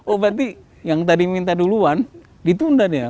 oh berarti yang tadi minta duluan ditunda dia